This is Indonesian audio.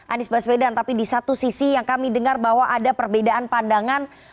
anies baswedan tapi di satu sisi yang kami dengar bahwa ada perbedaan pandangan